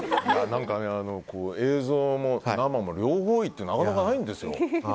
映像も、生も両方いいってなかなかないんですよ。